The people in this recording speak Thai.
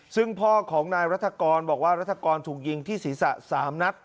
ซึ่งพ่อของนายรัฐกรบอกว่ารัฐกรถูกยิงที่ศีรษะ๓นัด